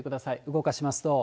動かしますと。